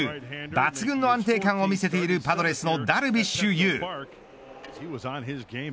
抜群の安定感を見せているパドレスのダルビッシュ有。